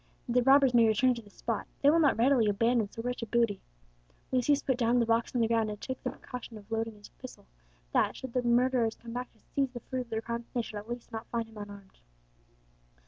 The robbers may return to this spot they will not readily abandon so rich a booty." Lucius put down the box on the ground, and took the precaution of reloading his pistol, that, should the murderers come back to seize the fruit of their crime, they at least should not find him unarmed.